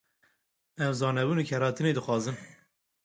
Ew zanebûn û kêrhatinê dixwazin.